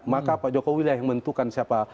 maka pak jokowi lah yang menentukan siapa